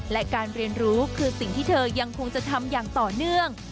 และการเรียนรู้คือสิ่งที่เธอยังคงจะทำอย่างต่อเนื่อง